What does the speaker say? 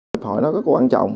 hiệp hội đó rất quan trọng